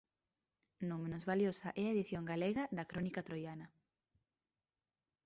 Non menos valiosa é a edición galega da "Crónica troiana".